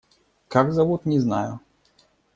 Как зовут, не знаю.